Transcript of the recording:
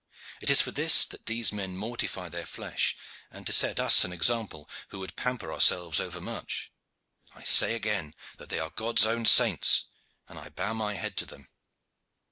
It is for this that these men mortify their flesh, and to set us an example, who would pamper ourselves overmuch. I say again that they are God's own saints, and I bow my head to them."